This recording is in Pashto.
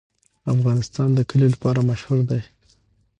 افغانستان د کلي لپاره مشهور دی.